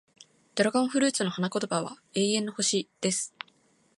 ドラゴンフルーツの花言葉は、永遠の星、です。